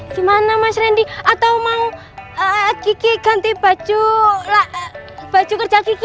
gimana mas randy atau mau kiki ganti baju kerja kiki